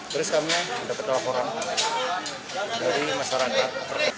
terus kami mendapatkan laporan dari masyarakat